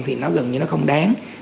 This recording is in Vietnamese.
thì nó gần như nó không đáng